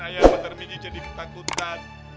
ayah dan pak tarmiji jadi ketakutan